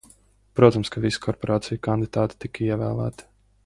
Protams, ka visi korporāciju kandidāti tika ievēlēti.